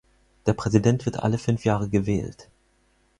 Der Präsident wird alle fünf Jahre gewählt.